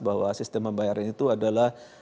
bahwa sistem pembayaran itu adalah